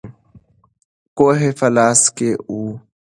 کوهی په لاس کې وو.